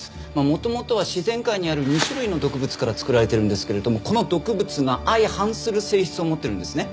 元々は自然界にある２種類の毒物から作られているんですけれどもこの毒物が相反する性質を持っているんですね。